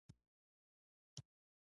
د مدرسو د ګډوډیو مخه ونیول شي.